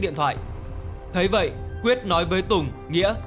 điện thoại thế vậy quyết nói với tùng nghĩa